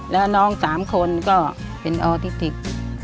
แล้วน้อง๓คนก็เป็นออทิติก